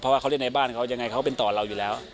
เพราะเขาเรียกในบ้านว่ายังไงเขาเป็นต่อว่ายู่แล้ว